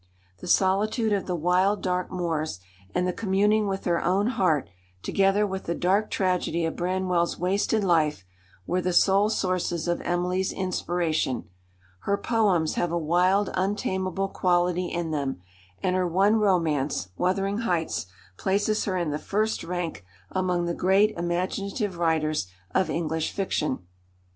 The solitude of the wild, dark moors, and the communing with her own heart, together with the dark tragedy of Branwell's wasted life, were the sole sources of Emily's inspiration. Her poems have a wild, untameable quality in them, and her one romance, Wuthering Heights, places her in the first rank among the great imaginative writers of English fiction.